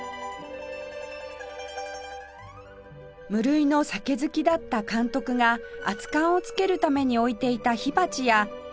無類の酒好きだった監督が熱かんをつけるために置いていた火鉢や